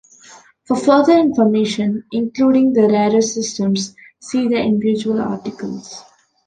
For further information, including the rarer systems, see the individual articles.